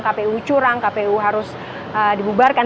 kpu curang kpu harus dibubarkan